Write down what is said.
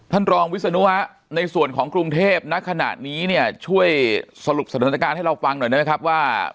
ท่านรองวิศนุฮะในส่วนของกรุงเทพณขณะนี้เนี่ยช่วยสรุปสถานการณ์ให้เราฟังหน่อยได้ไหมครับว่า